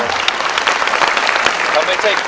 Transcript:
อินโทรเพลงที่๓มูลค่า๔๐๐๐๐บาทมาเลยครับ